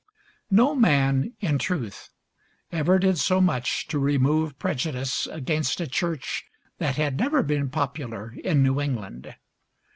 No man, in truth, ever did so much to remove prejudice against a Church that had never been popular in New England.